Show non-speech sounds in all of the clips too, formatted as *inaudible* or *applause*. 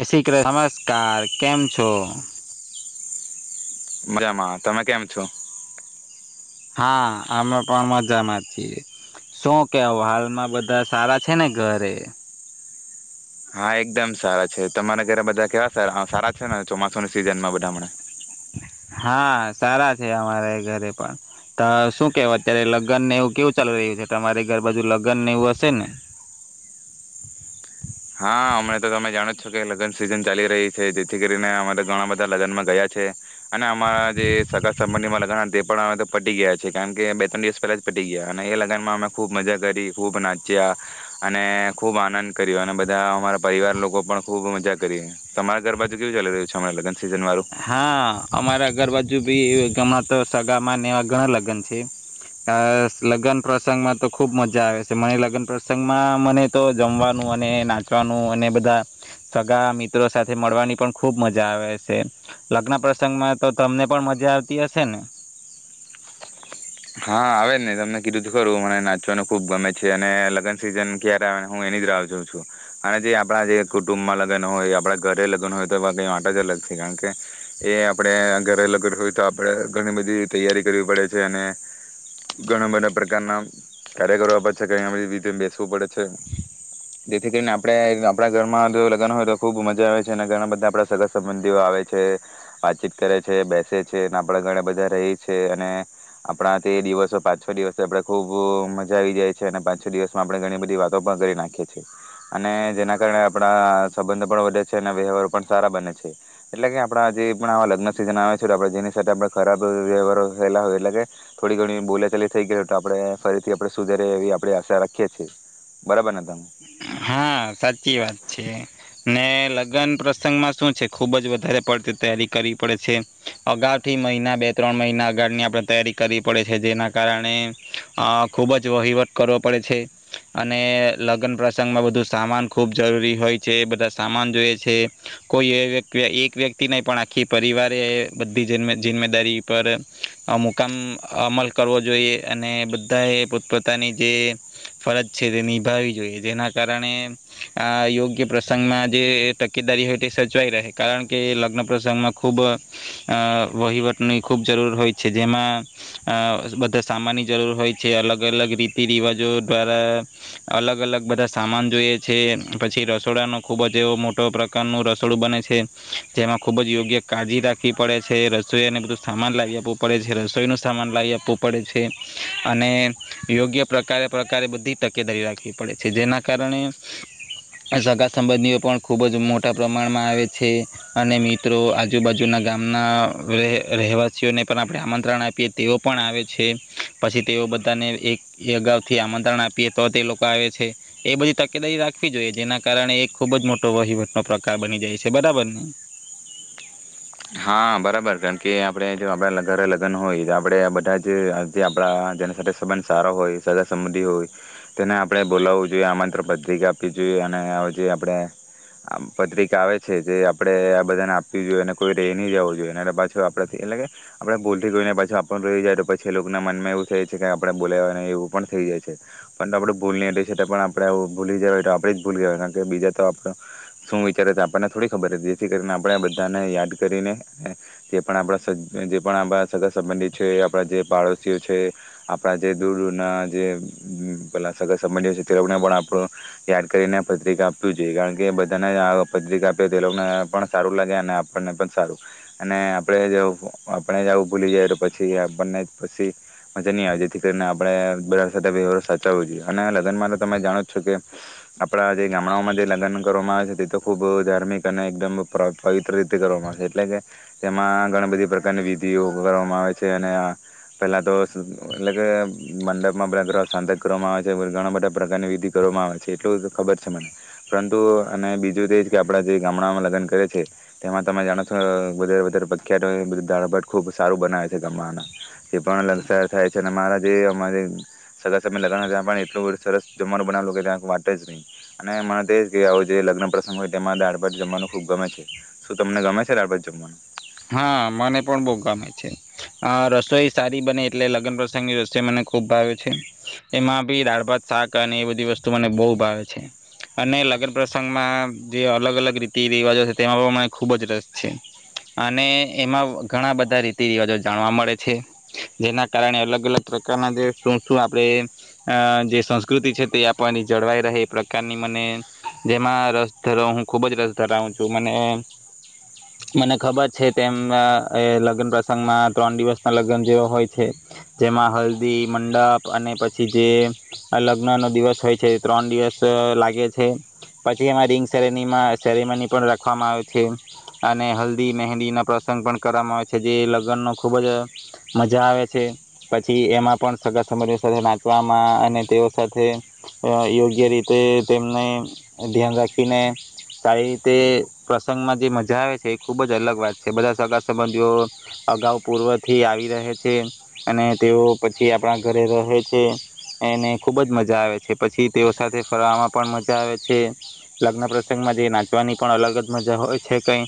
*unintelligible* નમસ્કાર કેમ છો? મજામાં. તમે કેમ છો? હા અમે પણ મજામાં છીએ. શું કેવ હાલમાં બધા સારા છે ને ઘરે? હા એકદમ સારા છે. તમારા ઘરે બધા કેવા સ સારા છે. ને ચોમાસુની સિઝન માં બધા હમણાં. હા સારા છે. અમારે ઘરે પણ તો શું કેવ અત્યારે લગ્નને એવું કેવું ચાલુ રહ્યું છે અરે ઘર બાજુ લગ્નને એવું હશે ને! હા હમણા તો તમે જાણો જ છો કે લગ્ન સિઝન ચાલી રહી છે. જેથી કરીને અમારે ઘણા બધા લગ્નમાં ગયા છે. અને અમારા જે સગા સંબંધી લગ્ન પણ અવે તો પતી ગયા છે. કારણ કે બે ત્રણ દિવસ પહેલા જ પતી ગયા. અને એ લગ્નમાં અમે ખૂબ મજા કરી ખૂબ નાચ્યા અને ખુબ આનંદ કર્યો અને બધા બધા અમારા પરિવાર લોકો પણ ખુબ મજા કરી તમારા ઘરબાજુ કેવું ચાલી રહ્યું છે અમણાં લગ્ન? સિઝન વાળું હા અમારે આગળ બાજુ બી ગણાં તો સગામાં એવા ઘણા લગ્ન છે. આ લગ્ન પ્રસંગમાં તો ખૂબ મજા આવે છે. મને લગ્ન પ્રસંગમાં મને તો જમવાનું અને નાચવાનું અને બધા સગા મિત્રો સાથે મળવાની પણ ખૂબ મજા આવે છે. લગ્ન પ્રસંગમાં તો તમને પણ મજા આવતી હશે ને! હા આવે નહી તમને કીધું ખરું મને નાચવાનું ખુબ ગમે છે. અને લગ્ન સિઝન ક્યારે આવેને હું એની જ રાહ જાઉં છું. અને જે આપણા જે કુટુંબમાં લગ્ન હોય આપણા ઘરે લગ્ન હોય તો એ ક વાત જ અલગ છે કારણ કે એ આપડે ઘરે લગ્ન હોય તો આપડે ઘણી બધી તૈયારી કરવી પડે છે. અને ઘણા બધા પ્રકારના કાર્ય કરવારો છે. બધી રીતે બેસવું પડે છે. જેથી કરીને આપડે આપણા ઘરમાં જો લગ્ન હોય તો ખુબ મજા આવે છે. અને ઘણા બધા આપણા સગા સંબંધીઓ આવે છે. વાતચીત કરે છે. બેસે છે આપડા ઘરે બધા રહી છે. અને આપણા તે દિવસો પાંચ છ દિવસ આપણે ખૂબ મજા આવી જાય છે. અને પાંચ, છ દિવસમાં આપણે ઘણી બધી વાતો પણ કરી નાખીએ છીએ. અને જેના કારણે આપણા સંબંધ પણ વધે છે. અને વ્યવહારો પણ સારા બને છે. એટલે કે આપણા જે પણ આવા લગ્ન સિઝન આવે છે તો આપણે જેની સાથે આપણે ખરાબ વ્યવહારો થયેલા હોય એટલે કે થોડી ઘણી બોલા ચાલી થઈ ગય તો આપણે ફરીથી આપડણે સુધરે એવી આપણે આશા રાખીએ છીએ બરાબર ને તમે! હા સાચી વાત છે. ને લગ્ન પ્રસંગમાં શું છે. ખુબ જ વધારે પડતી તૈયારી કરવી પડે છે. અગાઉ થી મહિના બે ત્રણ મહિના અગળની આપણે તૈયારી કરવી પડે છે. જેના કારણે અ ખુબ જ વહીવટ કરવો પડે છે. અને લગ્ન પ્રસંગ બધું સામાન ખૂબ જરૂરી હોય છે. બધા સામાન જોઈએ છે. કોઈ એક વ્યક્તિ નહી પણ આખી પરિવારે બધી જિમ્મેદારી પર મુકામ અમલ કરવો જોઈએ અને બધા એ પોત પોતાની જે ફરજ છે તે નિભાવવી જોઈએ જેના કારણે આ યોગ્ય પ્રસંગમાં જે તકેદારી હોય તે સચવાઈ રહે. કારણ કે લગ્ન પ્રસંગમાં ખૂબ અ વહીવટની ખૂબ જરૂર હોય છે. જેમાં અ બધા સામાનની જરૂર હોય છે. અલગ અલગ રીતિ રિવાજો દ્વારા અલગ અલગ બધા સામાન જોઈએ છે. પછી રસોડાનો ખૂબ જ એવો મોટો પ્રકારનું રસોડું બને છે‌. જેમાં ખૂબ જ યોગ્ય કાળજી રાખવી પડે છે. રસોઈને બધું સામાન લાવી આપવું પડે છે. રસોઈનું સામાન લાવી આપવું પડે છે. અને યોગ્ય પ્રકારે પ્રકારે બધી તકેદારી રાખવી પડે છે. જેના કારણે સગા સંબંધીઓ પણ ખુબ જ મોટા પ્રમાણમાં આવે છે. અને મિત્રો આજુબાજુના ગામના રહેવાસીઓને પણ આપણે આમંત્રણ આપીએ તેઓ પણ આવે છે. પછી તેઓ બધાને એક અગાઉ થી આમંત્રણ આપીએ તો તે લોકો આવે છે. એ બધી તકેદારી રાખવી જોઈએ, ‌ જેના કારણે એ ખુબ જ મોટો વહીવટનો પ્રકાર બની જાય છે બરાબર ને! હા બરાબર કારણ કે આપણે જો આપણા ઘરે લગ્ન હોય તો આપણે બધા જ જે આપણા જેના સાથે સંબંધ સારા હોય સગા સંબંધિ હોય તેને આપણે બોલાવવું જોઈએ. આમંત્રણ પત્રિકા આપવી જોઈએ અને જે આપણે પત્રિકા આવે છે, જે આપણે આ બધાને આપવી જોઈએ ને કોઈ રેય‌ નહી જવું જોઈએ, પાછુ આપડાથી એટલે કે આપણે ભૂલથી ગઈ ને પાછું આપણુ રહી જાય તો પછી એ લોકોના મનમાં એવું થાય છે કે આપણે બોલાવ્યા ની‌ એવું પણ થઈ જાય છે, પણ તો આપડું ભૂલ નહી રે પણ આપણે ભૂલી જવાય તો આપ જ ભૂલ કવાય કારણ કે બીજા તો આપ શું વિચારે છે, આપણને થોડી ખબર હતી જેથી કરીને આપણે બધાને યાદ આપ જે આપ સગાસંબંધી છે, આપણા જે પાડોશીઓ છે, આપણા જે દૂર દૂર ના જે પેલા સગા સંબંધીઓ છે, તેને પણ આપણું યાદ કરીને પત્રિકા આપું જોઈએ, કારણ કે બધાને આ પત્રિકા આપે તે લોકોને પણ સારું લાગે અને આપણને સારું. અને આપણે જો આપણે જ આવું ભૂલી જાય તો પછી આપણને પસી મજા ની આવે, જેથી કરીને આપે બધા સાથે વ્યવહાર સાચવવો જોઈએ. અને લગનમાં તો તમે જાણો જ છો કે આપણા જે ગામડાઓમાં જે લગન કરવામાં આવે છે, તે તો ખુબ ધાર્મિક અને એકદમ પવિત્ર રીતે કરવામાં આવે છે એટલે કે તેમાં ઘણી બધી પ્રકારની વિધિઓ કરવામાં આવે છે અને પેલા તો એટલે કે મંડપમાં બધા સાંતક કરવામાં આવે છે ઘણા બધા પ્રકારની વિધિ કરવામાં આવે છે એટલું ખબર છે મને પરંતુ અને બીજું તો એજ કે આપડા જે ગામડામાં લગન કરે છે તેમાં તમે જાણો વધારે વધારે પ્રખ્યાત હોય બધું દાળભાત ખૂબ સારું બનાવે છે ગમવાના તે પણર થાય છે અને મારા જે અમારે સગા સંબંધી લગન હોય એમાં પણ એટલું સરસ જમવાનું બનાવેલુ કે ત્યાં વાત જ નહીં અને મતે જે હોય એ લગ્ન પ્રસંગ હોય તેમાં દાળભાત જમવાનું ખૂબ ગમે છે શું તમને ગમે છે? છે દાળ ભાત જમવાનું હા મને પણ બહુ ગમે છે. આ રસોઈ સારી બને એટલે લગ્ન પ્રસંગની રસોઈ મને ખૂબ ભાવે છે. એમાં બી દાળ, ભાત, શાક અને એ બધી વસ્તુ મને બહુ ભાવે છે અને લગ્ન પ્રસંગમાં જે અલગ અલગ રીતિ રિવાજો છે તેમાં પણ મને ખૂબ જ રસ છે. અને એમાં ઘણા બધા રીતિ રિવાજો જાણવા મળે છે. જેના કારણે અલગ અલગ પ્રકારના જે શું શું આપણે અ જે સંસ્કૃતિ છે તે આપલાની જળવાઈ રહે એ પ્રકારની મને જેમાં રસ ધરાવ હું ખુબ જ રસ ધરાવું છું મને મને ખબર છે તેમ લગ્ન પ્રસંગમાં ત્રણ દિવસ ના લગ્ન જેવો હોય છે. જેમાં હલ્દી, મંડપ અને પછી જે લગ્ન નો દિવસ હોય છે ત્રણ દિવસ લાગે છે. પછી એમાં રિંગ સેરેનીમાં સેરેમની પણ રાખવામાં આવે છે અને હલ્દી મહેંદી ના પ્રસંગ પણ કરવામાં આવે છે જે લગ્નનો ખુબ જ મજા આવે છે. પછી એમાં પણ સગા સમજ સાથે નાચવામાં અને તેઓ સાથે યોગ્ય રીતે તેમને ધ્યાન રાખીને સારી રીતે પ્રસંગમાં જે મજા આવે છે એ ખૂબ જ અલગ વાત છે. બધા સગા સંબંધીઓ અગાઉ પૂર્વથી આવી રહે છે અને તેઓ પછી આપણા ઘરે રહે છે અને ખુબ જ મજા આવે છે. પછી તેઓ સાથે ફરવામાં પણ મજા આવે છે. લગ્ન પ્રસંગમાં જે નાચવાની પણ અલગ જ મજા હોય છે કઈ.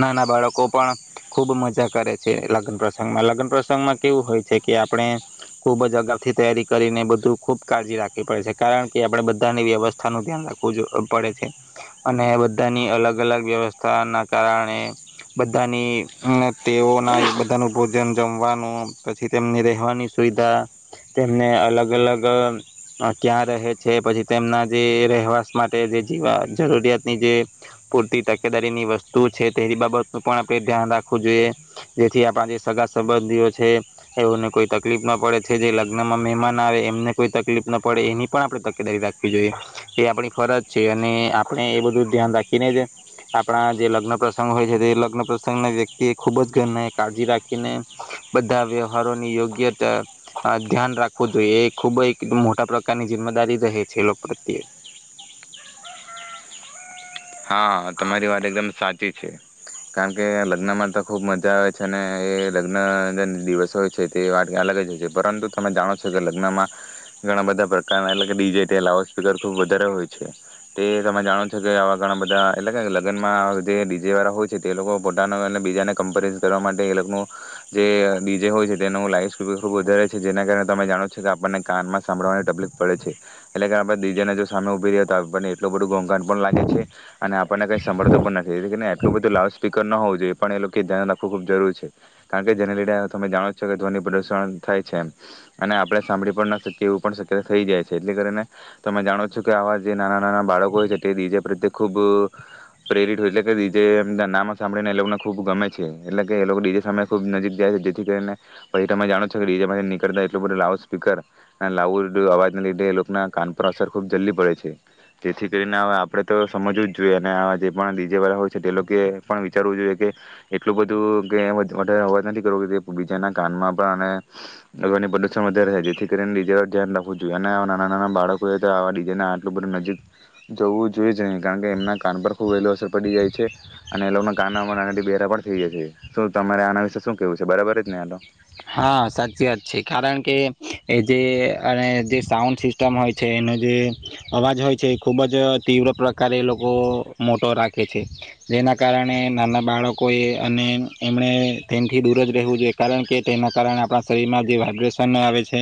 નાના બાળકો પણ ખુબ મજા કરે છે લગ્ન પ્રસંગમાં. લગ્ન પ્રસંગમાં કેવું હોય છે કે આપણે ખુબ જ અગાઉથી તૈયારી કરીને બધું ખૂબ કાળજી રાખવી પડે છે. કારણ કે આપણે બધાની વ્યવસ્થા નું ધ્યાન રાખવું પડે છે અને બધાની અલગ અલગ વ્યવ થા ના કારણે બધાની અને તેઓના બધાનું ભોજન જમવાનું પછી તેમની રહેવાની સુવિધા તેમને અલગ અલગ ક્યાં રહે છે પછી તેમના જે રહેવાશ માટે જે જીવા જરૂરિયાત ની જે પૂરતી તક કેદારીની વસ્તુ છે તેની બાબત નું પણ આપણે ધ્યાન રાખવું જોઈએ. જેથી આપણા જે સગા સંબંધીઓ છે એઓને કોઈ તકલીફ ના પડે છે. જે લગ્નમાં મહેમાન આવે એમને કોઈ તકલીફ ના પડે એની પણ આપણે તકેદારી રાખવી જોઈએ. એ આપણી ફરજ છે અને આપણે એ બધું ધ્યાન રાખીને જ આપણા જે લગ્ન પ્રસંગ હોય છે તે લગ્ન પ્રસંગના વ્યક્તિ એ ખૂબ જ ઘર કાળજી રાખીને બધા વ્યવહારોની યોગ્યતા ધ્યાન રાખવું જોઈએ. એ ખૂબ જ મોટા પ્રકારની જિમ્મેદારી રહે છે લોક પ્રત્યે. હા તમારી વાત એકદમ સા ચી છે. કારણ કે લગ્નમાં તો ખૂબ મજા આવે છે અને એ લગ્ન દિવસો હોય છે તે વા અલગ જ હોય છે. પરંતુ તમે જાણો છો કે લગ્નમાં ઘણા બધા પ્રકારના અલગ ડીજ લાઉડ સ્પીકર ખૂબ વધારે હોય છે તે તમે જાણો છો કે આવા ઘણા બધા એટલે લગ્નમાં જે ડીજે વાળા હોય છે તે લોકો પોતાનો બીજાને કમ્પેર કરવા માટે એનું જે ડીજે હોય છે તેનું લાઈફ સ્ ખુબ વધારે છે. જેના કારણે તમે જાણો છો કે આપણને કાનમાં સાભળવાની તકલીફ પડે છે. એટલે કે આપણે ડીજેને જો સામે ઉભી રે તો આપણને એટલું બધું ગ પણ લાગે છે અને આપણને કઈ સાંભળતું પણ નથીને એટલું બધું લાઉડ સ્પીકર ન હોવું જોઈએ પણ એ લોકે ધ્યાન રાખવું ખૂબ જરૂર છે. કારણ કે જેને લીધે તમે જાણો છો કે ધ્વનિ પ્રદૂષણ થાય છે એમ અને આપણે સાંભળી પણ ના શકીએ એવું પણ શક્યતા થઈ જાય છે. એટલે કરીને તમે જાણો છો કે આવા જે નાના નાના બાળકો હોય છે તે બીજે રીતે ખૂબ પ્રેરિત હોય એટલે કે ડીજે એમ નામાં સાંભળીને એ લોકોને ખૂબ ગમે છે. એટલે કે એ લોકો ડીજે સામે ખૂબ નજીક જાય છે જેથી કરીને પછી તમે જાણો છો કે ડીજે પાસેથી નીકળતા એટલું બધું લાઉડ સ્પીકર અને લાઉડ અવાજને લીધે એ લોકોના કાન પર અસર ખૂબ જલ્દી પડે છે. જેથી કરીને આવા આપણે તો સમજવું જ જોઈએ અને આ જે પણ ડીજે વાળા હોય છે તે લોકો પણ વિચારવું જોઈએ કે એટલું બધું કે વધારે અવાજ નથી કરવું કે બીજાના કાનમાં પણ અને એ લોકોને પ્રદુષણ વધારે છે જેથી કરીને ડીજે વા ધ્યાન રાખવું જોઈએ અને નાના નાના બાળકોએ તો આવા ડીજે આટલું બધું નજીક જવું જ જોઈ જ નહીં કારણ કે એમના કાન પર ખુબ વેલું અસર પડી જાય છે અને એ લોકોના કાન આના બેેરા પણ થઈ જાય છે. શું તમારે આના વિશે શું કેવું છે બરાબર જ ને આનો? હા સાચી વાત છે. કારણ કે એ જે અને જે સાઉન્ડ સિસ્ટમ હોય છે એનો જે અવાજ હોય છે એ ખૂબ જ તીવ્ર પ્રકારે એ લોકો મોટો રાખે છે. જેના કારણે નાના બાળકોએ અને એમણે તેમથી દૂર જ રહેવું જોઈએ. કારણ કે તેના કારણે આપણા શરીરમાં જે વાઇબ્રેશન આવે છે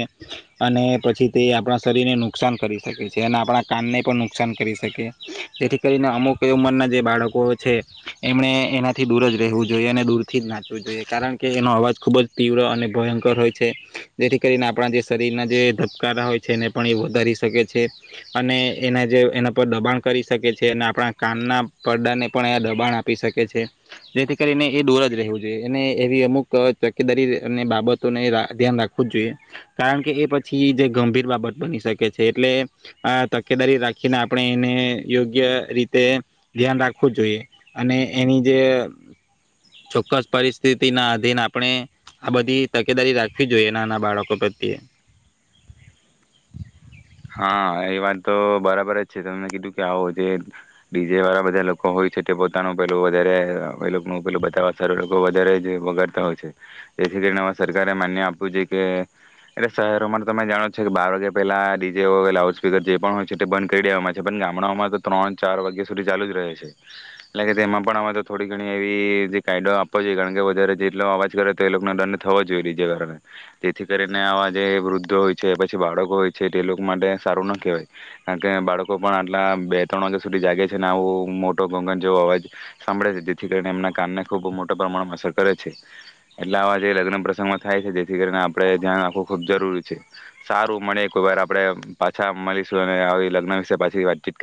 અને પછી તે આપણા શરીરને નુકસાન કરી શકે છે અને આપણા કાનને પણ નુકસાન કરી શકે જેથી કરીને અમુક એ ઉંમરના જે બાળકો છે એમણે એનાથી દૂર જ રહેવું જોઈએ અને દૂરથી જ નાચવું જોઈએ. કારણ કે એનો અવાજ ખૂબ જ તીવ્ર અને ભયંકર હોય છે. જેથી કરીને આપણા જે શરીરના જે ધબકારા હોય છે એને પણ એ વધારી શકે છે અને એના જે એના પર દબાણ કરી શકે છે અને આપણા કાનના પડદાને પણ એયા દબાણ આપી શકે છે જેથી કરીને એ દુર જ રહેવું જોઈએ એ એવી અમુક તકેદારી બાબતોને ધ્યાન રાખવું જ જોઈએ કારણ કે એ પછી જે ગંભીર બાબત બની શકે છે એટલે આ તકેદારી રાખીને આપણે એને યોગ્ય રીતે ધ્યાન રાખવું જ જોઈએ અને એની જે ચોક્કસ પરિસ્થિતિના અધીન આપણે આ બધી તકેદારી રાખવી જોઈએ નાના બાળકો પ્રત્યે. હા એ વાત તો બરાબર જ છે તમને કીધું કે આવો જે ડીજે વાળા બધા લોકો હોય છે તે પોતાનું પેલું વધારે એ લોકોનું પેલું બતાવા સાર લોકો વધારે જ વગડતા હોય છે જેથી કરીને સરકારે માન્ય આપ્યું છે કે એટલે શહેરોમાં તમે જાણો કે બાર વાગ્યા પહેલા જે લાઉડ સ્પીકર જે પણ હોય છે તે બંધ કરી દેમાં છે પણ ગામડાઓમાં તો ત્રણ ચાર વાગ્યા સુધી ચાલુ જ રહે છે એટલે કે તેમાં પણ અવે તો થોડી ઘણી એવી જે કાયદો આપવો જોઈએ કારણ કે વધારે જેટલો અવાજ કરે તો એ લોકોને દંડ થવાો જોઈએ બીજે કારણે જેથી કરીને આવા જે વૃદ્ધો હોય છે પછી બાળકો હોય છે. એ લોકો માટે સારું ના કહેવાય કારણ કે બાળકો પણ આટલા બે ત્રણ વાગ્યા સુધી જાગે છે ને આવું મોટો ઘોંઘાટ જેવો અવાજ સાંભળે છે જેથી કરીને એમના કાનને ખૂબ મોટા પ્રમાણમાં અસર કરે છે એટલે અવાજ એ લગ્ન પ્રસંગમાં થાય છે જેથી કરીને આપણે ધ્યાન રાખવું ખૂબ જરૂરી છે સારું મળે એક વાર આ આપડે પાછા મળીશું અને આવી લગ્ન વિશે પાછી વાતચીત કર